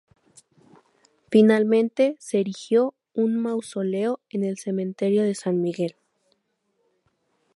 Finalmente se erigió un mausoleo en el Cementerio de San Miguel.